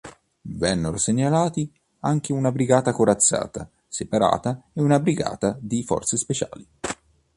Vennero segnalati anche una brigata corazzata separata e una brigata di forze speciali.